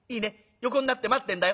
横になって待ってんだよ。